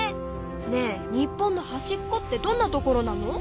ねえ日本のはしっこってどんなところなの？